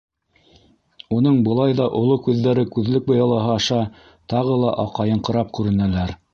Уның былай ҙа оло күҙҙәре күҙлек быялаһы аша тағы ла аҡайыңҡырап күренәләр.